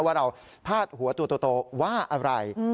ว่าเราพาดหัวตัวโตว่าอะไร